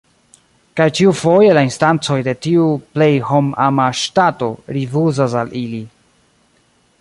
Kaj ĉiufoje la instancoj de tiu „plej hom-ama ŝtato” rifuzas al ili.